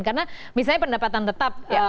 karena misalnya pendapatan tetap